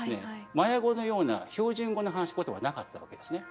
マヤ語のような標準語の話し言葉なかったわけですね。